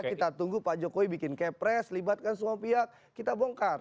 kita tunggu pak jokowi bikin kepres libatkan semua pihak kita bongkar